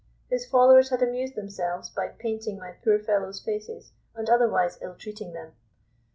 His followers had amused themselves by painting my poor fellows' faces, and otherwise ill treating them.